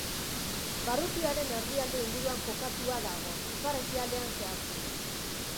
Barrutiaren erdialde inguruan kokatua dago, ipar-ekialdean, zehazki.